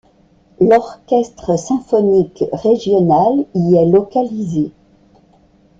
L'orchestre symphonique régional y est localisé.